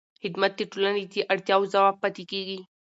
خدمت د ټولنې د اړتیاوو ځواب پاتې کېږي.